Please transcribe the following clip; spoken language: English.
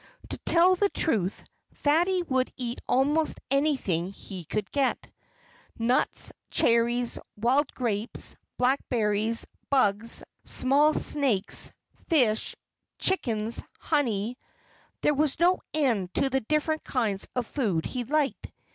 To tell the truth, Fatty would eat almost anything he could get nuts, cherries, wild grapes, blackberries, bugs, small snakes, fish, chickens, honey there was no end to the different kinds of food he liked.